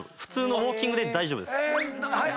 はい！